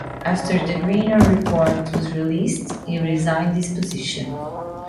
After the Grenier report was released, he resigned his position.